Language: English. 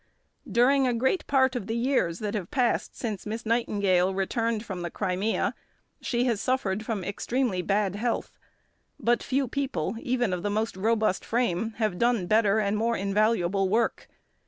During a great part of the years that have passed since Miss Nightingale returned from the Crimea, she has suffered from extremely bad health; but few people, even of the most robust frame, have done better and more invaluable work.